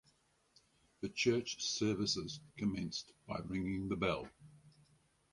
The church services commenced by ringing the bell.